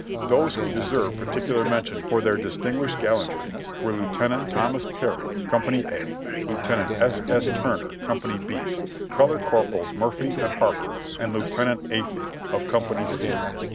Those who de serve particular mention for their distinguished gallantry were Lieutenant Thomas Perry, Co. A, Lieutenant S. S. Turner, Co. B, Color Corporals Murphy and Harper and Lieutenant Athey of Co. C."